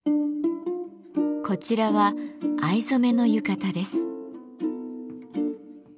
こちらは藍染めの浴衣です。